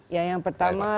ya yang pertama